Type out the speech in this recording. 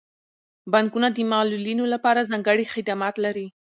بانکونه د معلولینو لپاره ځانګړي خدمات لري.